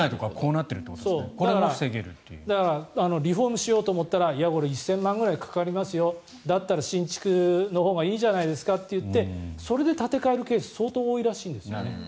リフォームしようと思ったら１０００万円くらいかかりますよだったら新築のほうがいいじゃないですかといってそれで建て替えるケースが相当多いらしいんですね。